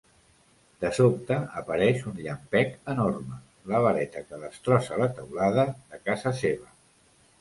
De sobte apareix un llampec enorme, la vareta que destrossa la teulada de casa seva.